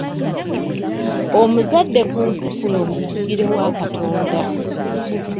Omuzadde ku nsi kuno musigire wa Katonda.